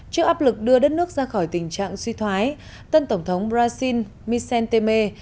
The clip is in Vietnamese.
trước áp lực đưa đất nước ra khỏi tình trạng suy thoái tân tổng thống brazil michel temer